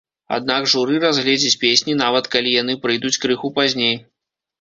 Аднак журы разгледзіць песні нават калі яны прыйдуць крыху пазней.